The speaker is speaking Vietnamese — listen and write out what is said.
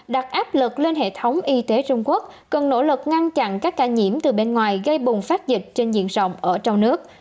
đặt áp lực lên hệ thống y tế trung quốc cần nỗ lực ngăn chặn các ca nhiễm từ bên ngoài gây bùng phát dịch trên diện rộng ở trong nước